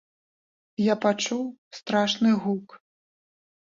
Я пачуў страшны гук.